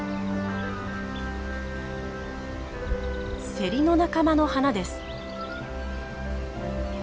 セリの仲間の花です。